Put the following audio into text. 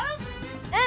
うん！